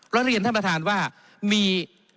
แล้วเรียนท่านประธานว่ามี